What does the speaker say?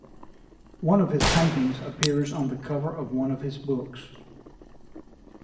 One of his paintings appears on the cover of one of his books.